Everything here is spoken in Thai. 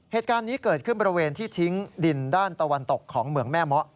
เหตุการณ์นี้เกิดขึ้นบริเวณที่ทิ้งดินด้านตะวันตกของเหมืองแม่เมาะ